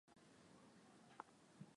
wa vyama vya siasa wamekataa ombi hilo